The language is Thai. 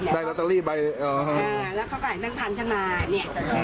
ใบก็จะ่อดไปอ่าแล้วเขาก็เอาแม่งพันด้วยมาเนี้ย